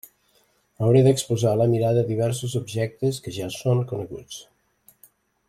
Hauré d'exposar a la mirada diversos objectes que ja són coneguts.